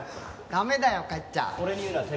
ダメだよ帰っちゃ！